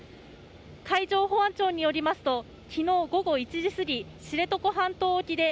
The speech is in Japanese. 海上保安庁によりますと昨日午後１時すぎ知床半島沖で